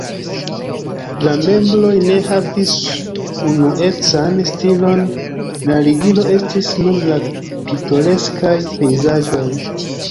La membroj ne havis unuecan stilon, la ligilo estis nur la pitoreskaj pejzaĝoj.